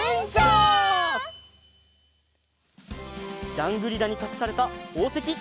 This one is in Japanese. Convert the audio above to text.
ジャングリラにかくされたほうせききらぴか